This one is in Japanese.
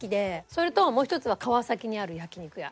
それともう一つは川崎にある焼き肉屋。